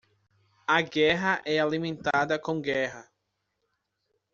A guerra é alimentada com guerra.